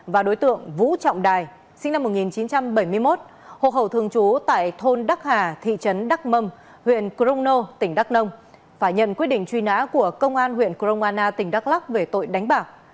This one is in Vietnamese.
và đối tượng vũ trọng đài sinh năm một nghìn chín trăm bảy mươi một hộ khẩu thường trú tại thôn đắc hà thị trấn đắc mâm huyện crono tỉnh đắk nông phải nhận quyết định truy nã của công an huyện crong anna tỉnh đắk lắc về tội đánh bạc